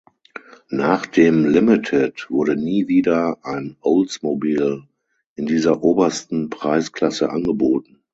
Nach dem Limited wurde nie wieder ein Oldsmobile in dieser obersten Preisklasse angeboten.